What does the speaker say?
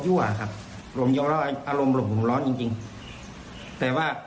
ยั่วครับหลวงยอมร้อนอารมณ์หลวงหลวงร้อนจริงจริงแต่ว่า